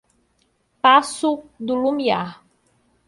Paço do Lumiar